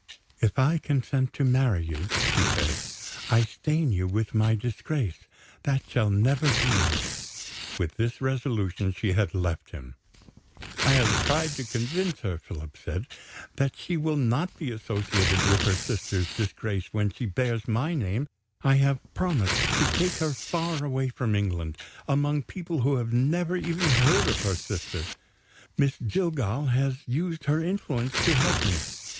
"If I consent to marry you," she said, "I stain you with my disgrace; that shall never be." With this resolution, she had left him. "I have tried to convince her," Philip said, "that she will not be associated with her sister's disgrace when she bears my name; I have promised to take her far away from England, among people who have never even heard of her sister. Miss Jillgall has used her influence to help me.